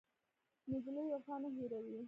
نجلۍ وفا نه هېروي.